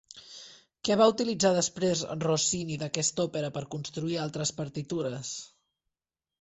Què va utilitzar després Rossini d'aquesta òpera per a construir altres partitures?